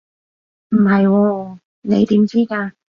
唔係喎，你點知㗎？